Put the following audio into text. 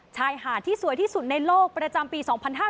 ชายหาดที่สวยที่สุดในโลกประจำปี๒๕๕๙